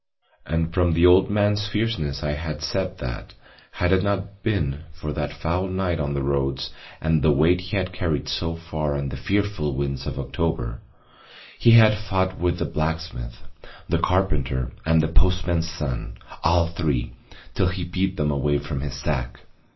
And from the old man's fierceness I had said that, had it not been for that foul night on the roads and the weight he had carried so far and the fearful winds of October, he had fought with the blacksmith, the carpenter and the postman's son, all three, till he beat them away from his sack.